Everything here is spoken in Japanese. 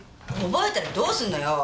覚えたらどうするのよ！